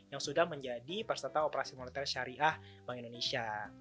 yang sudah menjadi peserta operasi moneter syariah bank indonesia